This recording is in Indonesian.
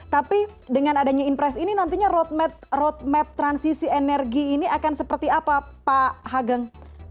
tapi dengan adanya impres ini nantinya roadmap transisi energi ini akan seperti apa pak hageng